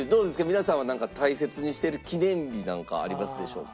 皆さんは大切にしてる記念日なんかありますでしょうか？